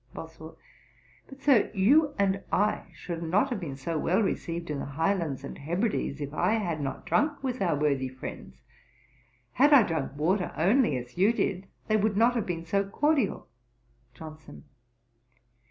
BOSWELL. 'But, Sir, you and I should not have been so well received in the Highlands and Hebrides, if I had not drunk with our worthy friends. Had I drunk water only as you did, they would not have been so cordial.' JOHNSON.